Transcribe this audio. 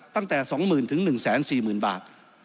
ตั้งแต่๒๐๐๐๑๔๐๐๐บาท